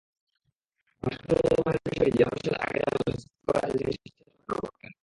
ভাস্কর্য নির্মাণের বিষয়টি জেলা পরিষদ আগে জানালে স্থাপত্যকাজে তাঁরা স্বেচ্ছায় সহায়তা করতেন।